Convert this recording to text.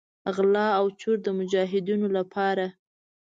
غلا او چور د مجاهدینو لپاره.